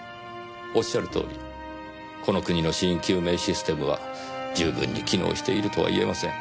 おっしゃるとおりこの国の死因究明システムは十分に機能しているとは言えません。